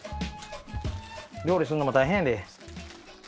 料理するのも大変やで。